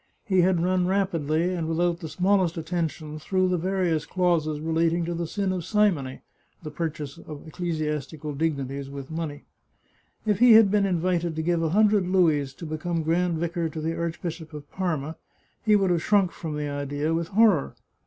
He had run rapidly, and without the smallest attention, through the various clauses relating to the sin of simony (the purchase of ec 215 The Chartreuse of Parma clesiastical dignities with money). If he had been invited to give a hundred louis to become grand vicar to the Arch bishop of Parma, he would have shrunk from the idea with horror.